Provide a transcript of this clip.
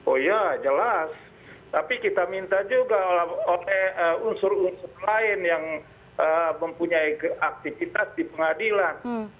oh iya jelas tapi kita minta juga oleh unsur unsur lain yang mempunyai aktivitas di pengadilan